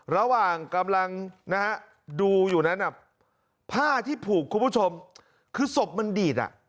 ระหว่างกำลังนะฮะดูอยู่นั้นผ้าที่ผูกคุณผู้ชมคือศพมันดีดอ่ะ